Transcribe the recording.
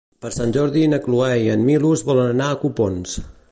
Per Sant Jordi na Cloè i en Milos volen anar a Copons.